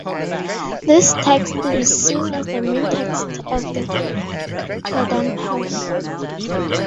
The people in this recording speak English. This text is seen as the main text of the Kadampas.